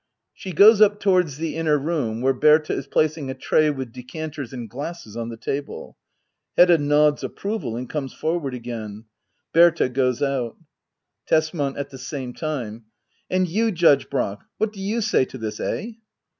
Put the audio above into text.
[She goes up towards the inner room, where Berta is placing a tray with decanters and glasses on the table. Hedda nods approval, and comes forward again, Berta goes out. Tesman. [At the same time,] And you. Judge Brack — what do you say to this ? Eh